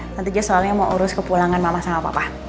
tante jess soalnya mau urus kepulangan mama sama papa